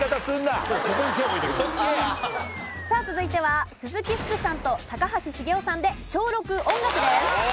さあ続いては鈴木福さんと高橋茂雄さんで小６音楽です。